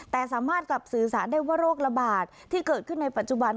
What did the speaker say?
แต่สามารถกลับสื่อสารได้ว่าโรคระบาดที่เกิดขึ้นในปัจจุบัน